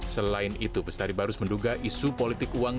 selain itu pestari barus menduga isu politik uang